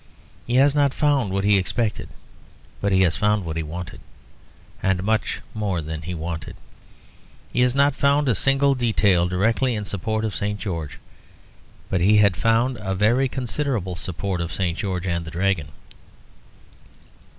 He has not found what he expected but he has found what he wanted, and much more than he wanted. He has not found a single detail directly in support of St. George. But he had found a very considerable support of St. George and the Dragon.